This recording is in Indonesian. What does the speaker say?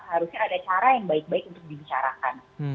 harusnya ada cara yang baik baik untuk dibicarakan